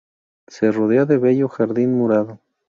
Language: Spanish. Se rodea de bello jardín murado.